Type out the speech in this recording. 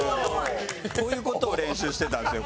こういう事を練習してたんですよ。